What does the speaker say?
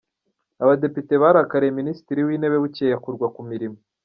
Abadepite barakariye Minisitiri w’Intebe, bucyeye akurwa ku mirimo.